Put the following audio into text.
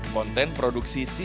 konten produksi cxo